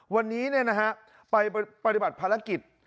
วันนี้ไปปฏิบัติภารกิจ